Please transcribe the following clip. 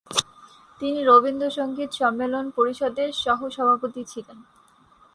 তিনি রবীন্দ্রসংগীত সম্মেলন পরিষদের সহ-সভাপতি ছিলেন।